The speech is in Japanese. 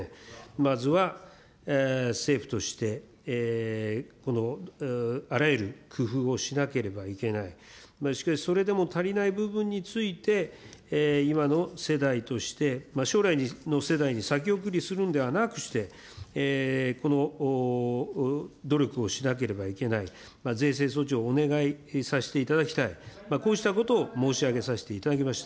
まずは政府として、あらゆる工夫をしなければいけない、しかし、それでも足りない部分について、今の世代として、将来の世代に先送りするのではなくして、この努力をしなければいけない、税制措置をお願いさせていただきたい、こうしたことを申し上げさせていただきました。